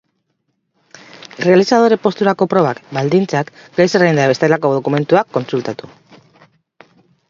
Errealizadore posturako probak, baldintzak, gai-zerrenda eta bestelako dokumentuak kontsultatu.